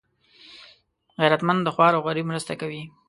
غیرتمند د خوار او غریب مرسته کوي